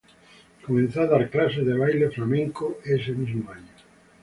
Comenzó a dar clases de baile flamenco ese mismo año.